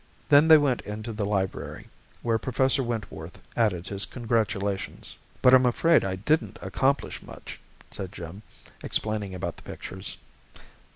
Then they went into the library, where Professor Wentworth added his congratulations. "But I'm afraid I didn't accomplish much," said Jim, explaining about the pictures.